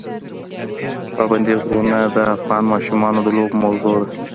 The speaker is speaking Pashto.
پابندی غرونه د افغان ماشومانو د لوبو موضوع ده.